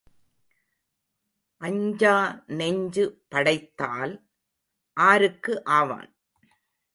அஞ்சா நெஞ்சு படைத்தால் ஆருக்கு ஆவான்?